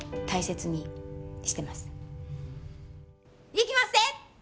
いきまっせ！